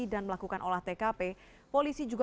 dan melakukan olah tkp polisi juga